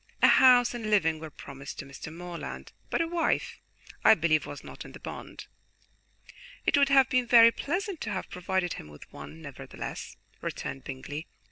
A house and living were promised to Mr. Morland; but a wife, I believe, was not in the bond." "It would have been very pleasant to have provided him with one, nevertheless," returned Bingley.